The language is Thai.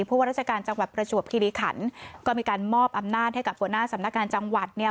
เพราะว่าราชการจังหวัดประจวบคิริขันก็มีการมอบอำนาจให้กับหัวหน้าสำนักงานจังหวัดเนี่ย